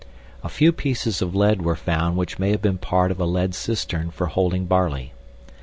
A few pieces of lead were found which may have been part of a lead cistern for holding barley.